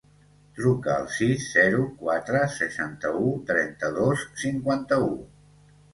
Truca al sis, zero, quatre, seixanta-u, trenta-dos, cinquanta-u.